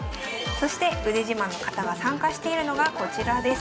そして腕自慢の方が参加しているのがこちらです。